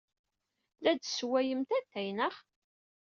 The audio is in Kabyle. La d-tessewwayemt atay, naɣ?